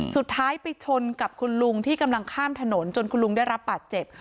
สุดท้ายไปชนกับคุณลุงที่กำลังข้ามถนนจนคุณลุงได้รับบาดเจ็บ